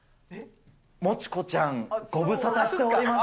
もちこちゃん、ご無沙汰しております。